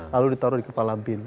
lalu ditaruh di kepala bin